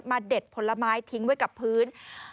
เด็ดผลไม้ทิ้งไว้กับพื้น